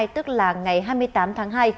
tức là ngày hai mươi tám tháng hai